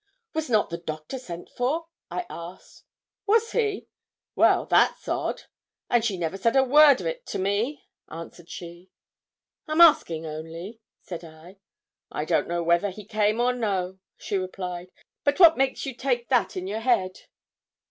'Was not the doctor sent for?' I asked. 'Was he? Well, that's odd; and she said never a word o't to me,' answered she. 'I'm asking only,' said I. 'I don't know whether he came or no,' she replied; 'but what makes you take that in your head?'